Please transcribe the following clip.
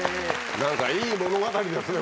何かいい物語ですね